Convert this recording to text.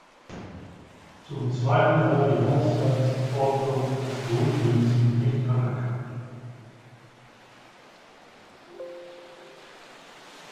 Zum zweiten war die Haushaltsordnung als Grundprinzip nicht anerkannt.